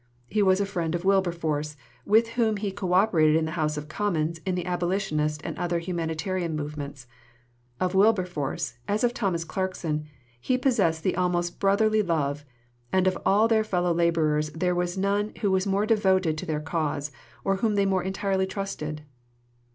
He was a friend of Wilberforce, with whom he co operated in the House of Commons in the Abolitionist and other humanitarian movements. Of Wilberforce, as of Thomas Clarkson, "he possessed the almost brotherly love, and of all their fellow labourers there was none who was more devoted to their cause, or whom they more entirely trusted."